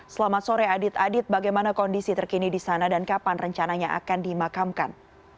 selamat sore adit adit bagaimana kondisi terkini di sana dan kapan rencananya akan dimakamkan